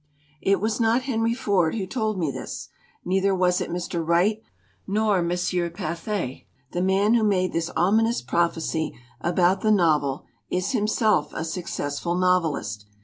It was not Henry Ford who told me this. Neither was it Mr. Wright, nor M. Pathe. The man who made this ominous prophecy about the novel is himself a successful novelist.